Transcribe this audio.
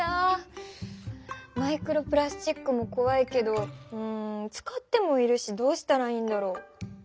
マイクロプラスチックもこわいけどうん使ってもいるしどうしたらいいんだろう？